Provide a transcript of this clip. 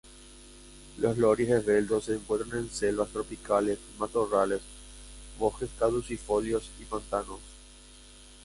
Los loris esbeltos se encuentran en selvas tropicales, matorrales, bosques caducifolios y pantanos.